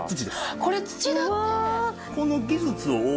これ土だって！